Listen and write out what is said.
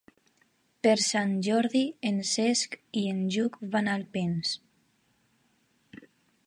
Per Sant Jordi en Cesc i en Lluc van a Alpens.